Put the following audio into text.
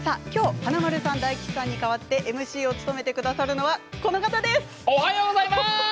きょう華丸さん大吉さんに代わってＭＣを務めてくださるのは、この方です。